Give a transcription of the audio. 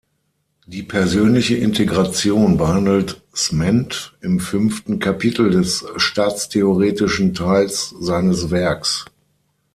Die persönliche Integration behandelt Smend im fünften Kapitel des staatstheoretischen Teils seines Werks.